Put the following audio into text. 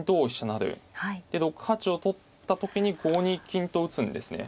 成で６八を取った時に５二金と打つんですね。